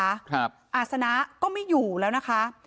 อาศนะก็ไม่อยู่แล้วนะคะ